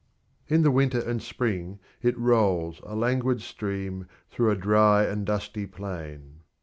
In the winter and spring it rolls a languid stream through a dry and dusty plain.